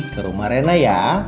ke rumah renna ya